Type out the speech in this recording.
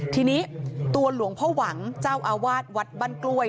ทีนี้ตัวหลวงพ่อหวังเจ้าอาวาสวัดบ้านกล้วย